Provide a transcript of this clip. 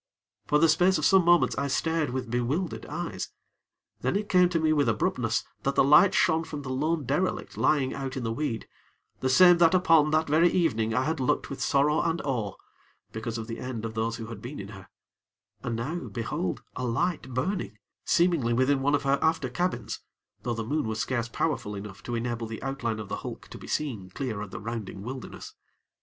For the space of some moments, I stared with bewildered eyes; then it came to me with abruptness that the light shone from the lone derelict lying out in the weed, the same that upon that very evening, I had looked with sorrow and awe, because of the end of those who had been in her and now, behold, a light burning, seemingly within one of her after cabins; though the moon was scarce powerful enough to enable the outline of the hulk to be seen clear of the rounding wilderness.